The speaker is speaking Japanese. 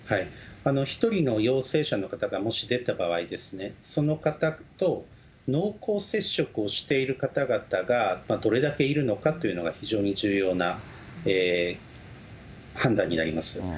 １人の陽性者の方がもし出た場合、その方と濃厚接触をしている方々がどれだけいるのかっていうのが、非常に重要な判断になります。